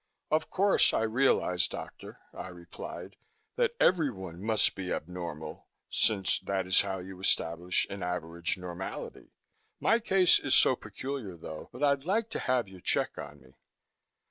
"Of course I realize, doctor," I replied, "that everyone must be abnormal since that is how you establish an average normality. My case is so peculiar, though, that I'd like to have you check on me."